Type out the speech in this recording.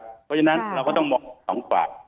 เพราะฉะนั้นเราก็ต้องมี๒ฝ่า